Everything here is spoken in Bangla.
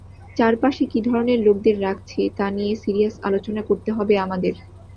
চারপাশে কী ধরনের লোকদের রাখছি তা নিয়ে সিরিয়াস আলোচনা করতে হবে আমাদের।